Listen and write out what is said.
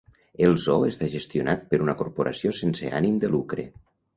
El Zoo està gestionat per una corporació sense ànim de lucre.